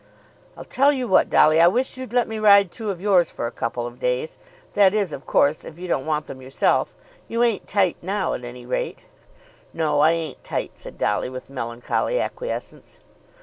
"I'll tell you what, Dolly; I wish you'd let me ride two of yours for a couple of days, that is, of course, if you don't want them yourself. You ain't tight now, at any rate." "No; I ain't tight," said Dolly, with melancholy acquiescence.